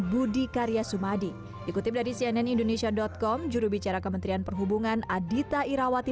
budi karya sumadi ikutip dari cnn indonesia com jurubicara kementerian perhubungan adita irawati